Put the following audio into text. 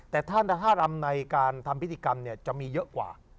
แต่ถ้ารำในการทำพิธีกรรมจะมีเยอะกว่า